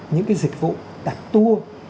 những cái dịch vụ đặt tour